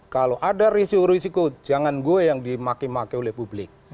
kalau ada risiko risiko jangan gue yang dimaki maki oleh publik